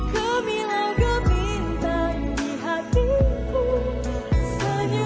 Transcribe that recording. kau menjadi bintang di hatiku